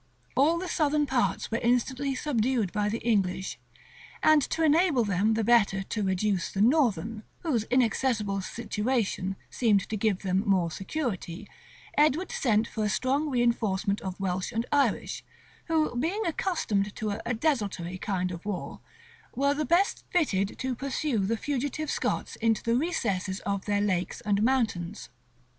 All the southern parts were instantly subdued by the English; and to enable them the better to reduce the northern, whose inaccessible situation seemed to give them some more security, Edward sent for a strong reënforcement of Welsh and Irish, who, being accustomed to a desultory kind of war, were the best fitted to pursue the fugitive Scots into the recesses of their lakes and mountains.